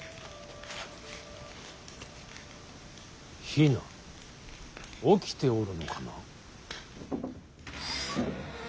比奈起きておるのかな。